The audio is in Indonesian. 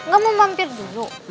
engga mau mampir dulu